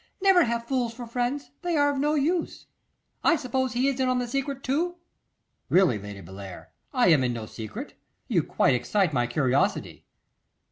Never have fools for friends; they are no use. I suppose he is in the secret too.' 'Really, Lady Bellair, I am in no secret. You quite excite my curiosity.